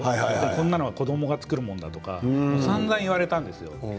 こんなの子どもが作るものだとさんざん言われたんですよ。